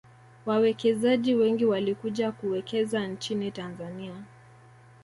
wawekezaji wengi walikuja kuwekeza nchin tanzania